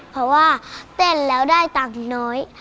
เพราะว่าเต้นแล้วได้ตังค์น้อย